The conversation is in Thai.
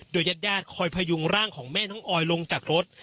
โดยยัดคอยพยุงร่างของแม่น้องออยลงจากรถ